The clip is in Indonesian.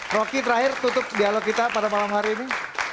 rocky terakhir tutup dialog kita pada malam hari ini